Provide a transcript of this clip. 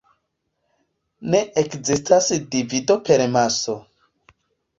Ne ekzistas divido per maso.